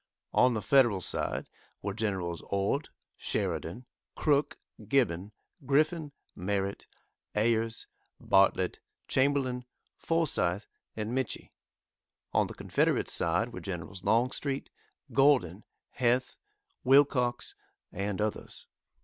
On the Federal side were Gens. Ord, Sheridan, Crook, Gibbon, Griffin, Merritt, Ayers, Bartlett, Chamberlain, Forsythe, and Mitchie. On the Confederate side were Generals Longstreet, Gordon, Heth, Wilcox, and others.